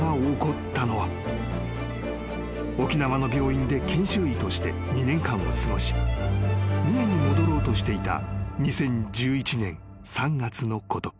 ［沖縄の病院で研修医として２年間を過ごし三重に戻ろうとしていた］